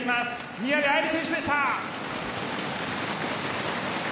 宮部藍梨選手でした。